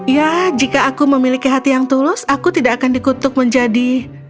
ya jika aku memiliki hati yang tulus aku tidak akan dikutuk menjadi